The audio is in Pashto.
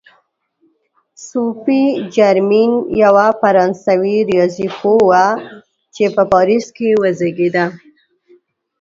صوفي جرمین یوه فرانسوي ریاضي پوهه وه چې په پاریس کې وزېږېده.